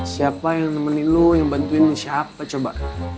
siapa yang nemenin lo yang bantuin siapa coba